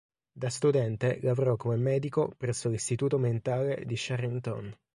Da studente lavorò come medico presso l'istituto mentale di Charenton.